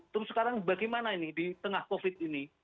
terus sekarang bagaimana ini di tengah covid ini